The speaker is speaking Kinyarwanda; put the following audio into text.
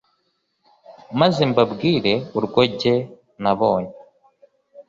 Maze mbabwire urwo ge nabonye